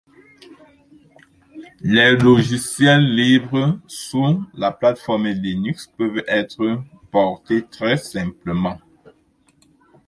Les logiciels libres sous la plateforme Linux peuvent être portés très simplement.